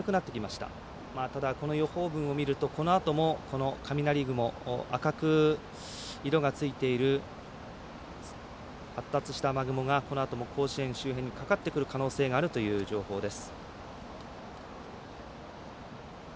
ただ、この予報を見るとこのあとも、雷雲赤く色がついている発達した雨雲がこのあとも甲子園周辺にかかってくる可能性があるという情報です。